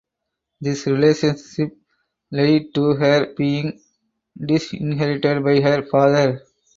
This relationship led to her being disinherited by her father.